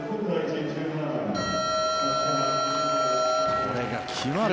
これが決まる。